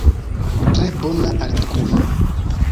Tre bona artikulo.